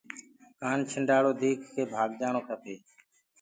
سوپيري ديک ڪي ڀآگجآڻ کپي۔